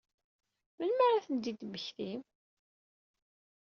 Melmi ara ad ten-id-temmektim?